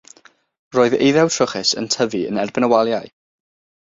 Roedd eiddew trwchus yn tyfu yn erbyn y waliau.